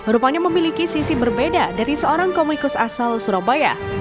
rupanya memiliki sisi berbeda dari seorang komikus asal surabaya